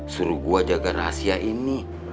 suruh gua jaga rahasia ini